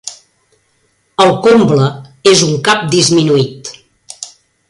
El comble és un cap disminuït.